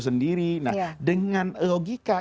sendiri nah dengan logika